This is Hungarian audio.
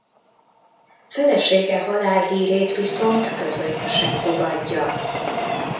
Felesége halálhírét viszont közönyösen fogadja.